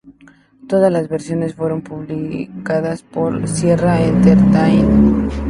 Todas las versiones fueron publicadas por Sierra Entertainment.